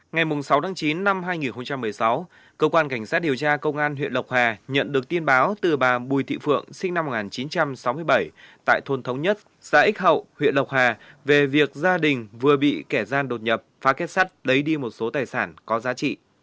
ngày sáu chín hai nghìn một mươi sáu cơ quan cảnh sát điều tra công an huyện lộc hà nhận được tin báo từ bà bùi thị phượng sinh năm một nghìn chín trăm sáu mươi bảy tại thôn thống nhất xã ích hậu huyện lộc hà về việc gia đình vừa bị kẻ gian đột nhập phá kết sắt lấy đi một số tài sản có giá trị